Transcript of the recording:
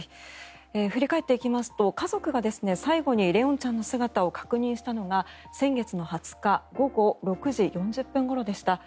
振り返っていきますと家族が最後に怜音ちゃんの姿を確認したのが先月の２０日午後６時４０分ごろでした。